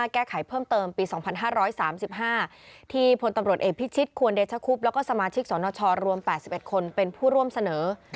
แก้ไขเพิ่มเติมปี๒๕๓๕ที่พลตำรวจเอกพิชิตควรเดชคุบแล้วก็สมาชิกสนชรวม๘๑คนเป็นผู้ร่วมเสนอ